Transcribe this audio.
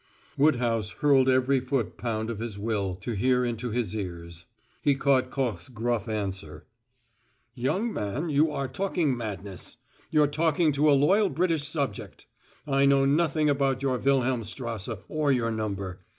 Woodhouse hurled every foot pound of his will to hear into his ears. He caught Koch's gruff answer: "Young man, you're talking madness. You're talking to a loyal British subject. I know nothing about your Wilhelmstrasse or your number.